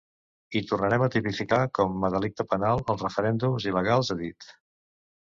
I tornarem a tipificar com a delicte penal els referèndums il·legals, ha dit.